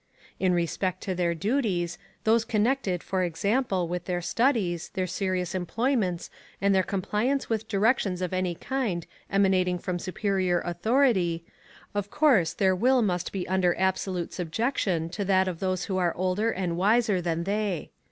In respect to their duties, those connected, for example, with their studies, their serious employments, and their compliance with directions of any kind emanating from superior authority, of course their will must be under absolute subjection to that of those who are older and wiser than they.